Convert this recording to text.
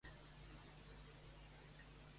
Què havia estat fent en Llucià fins aquell moment?